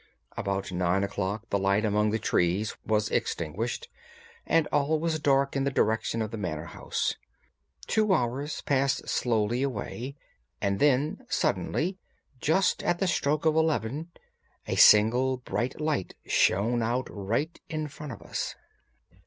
About nine o'clock the light among the trees was extinguished, and all was dark in the direction of the Manor House. Two hours passed slowly away, and then, suddenly, just at the stroke of eleven, a single bright light shone out right in front of us.